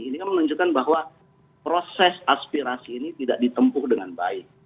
ini kan menunjukkan bahwa proses aspirasi ini tidak ditempuh dengan baik